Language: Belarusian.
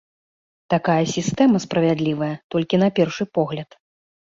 Такая сістэма справядлівая толькі на першы погляд.